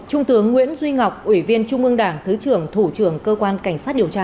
trung tướng nguyễn duy ngọc ủy viên trung ương đảng thứ trưởng thủ trưởng cơ quan cảnh sát điều tra